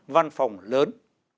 văn phòng lớn